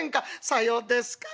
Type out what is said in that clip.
「さようですか？